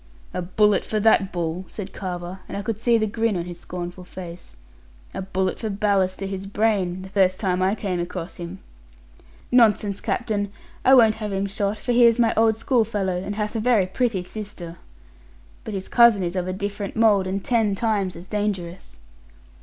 'A bullet for that bull,' said Carver; and I could see the grin on his scornful face; 'a bullet for ballast to his brain, the first time I come across him.' 'Nonsense, captain! I won't have him shot, for he is my old school fellow, and hath a very pretty sister. But his cousin is of a different mould, and ten times as dangerous.'